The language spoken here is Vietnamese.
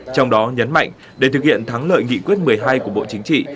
trong đó nhấn mạnh để thực hiện thắng lợi nghị quyết một mươi hai của bộ chính trị